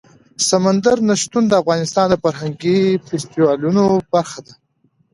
سمندر نه شتون د افغانستان د فرهنګي فستیوالونو برخه ده.